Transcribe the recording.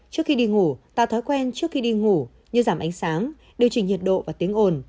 trước khi đi ngủ tạo thói quen trước khi đi ngủ như giảm ánh sáng điều chỉnh nhiệt độ và tiếng ồn